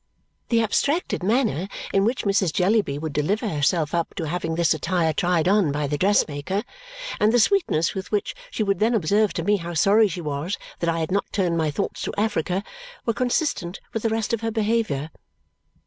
The abstracted manner in which Mrs. Jellyby would deliver herself up to having this attire tried on by the dressmaker, and the sweetness with which she would then observe to me how sorry she was that I had not turned my thoughts to Africa, were consistent with the rest of her behaviour.